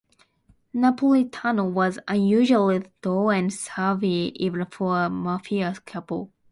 Napolitano was unusually tough and savvy, even for a Mafia capo.